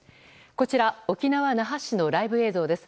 こちら沖縄・那覇市のライブ映像です。